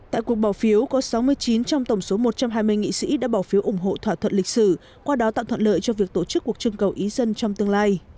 tại cuộc bỏ phiếu có sáu mươi chín trong tổng số một trăm hai mươi nghị sĩ đã bỏ phiếu ủng hộ thỏa thuận lịch sử qua đó tạo thuận lợi cho việc tổ chức cuộc trưng cầu ý dân trong tương lai